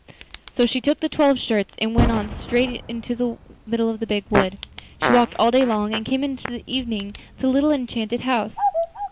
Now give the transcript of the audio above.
So she took the twelve shirts and went on straight into the middle of the big wood. She walked all day long, and came in the evening to the little enchanted house.